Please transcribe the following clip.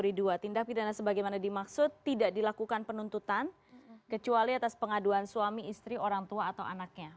tindak pidana sebagaimana dimaksud tidak dilakukan penuntutan kecuali atas pengaduan suami istri orang tua atau anaknya